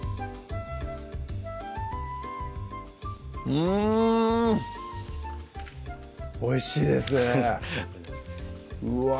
うんおいしいですねうわ